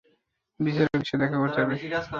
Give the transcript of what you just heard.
বিচারকের সাথে দেখা করতে হবে।